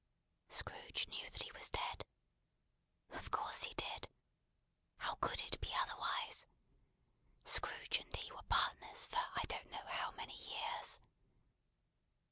Scrooge knew he was dead? Of course he did. How could it be otherwise? Scrooge and he were partners for I don't know how many years.